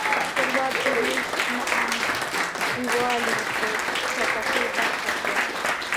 ثروت د وېش نا انډولي په چټکۍ پراخه شوه.